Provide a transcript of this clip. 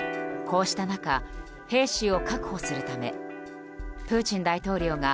こうした中、兵士を確保するためプーチン大統領が